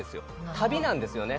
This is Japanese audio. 旅なんですよね